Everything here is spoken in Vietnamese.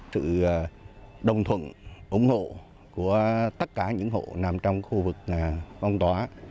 sự đồng thuận ủng hộ của tất cả những hộ nằm trong khu vực phong tỏa